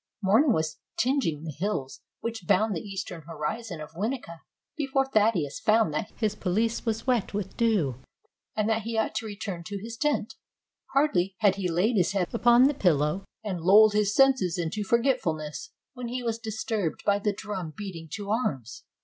Morning was tingeing the hills which bound the east ern horizon of Winnica before Thaddeus found that his pelisse was wet with dew, and that he ought to return to his tent. Hardly had he laid his head upon the pillow, and "lulled his senses in forgetfulness," when he was disturbed by the drum beating to arms.